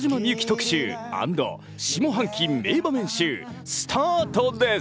特集＆下半期名場面集」スタートです！